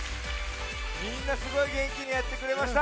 みんなすごいげんきにやってくれました。